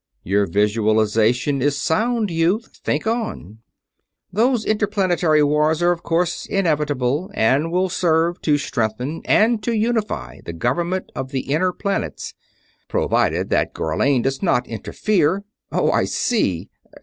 _" "Your visualization is sound, youth. Think on." "_Those interplanetary wars are of course inevitable, and will serve to strengthen and to unify the government of the Inner Planets ... provided that Gharlane does not interfere.... Oh, I see.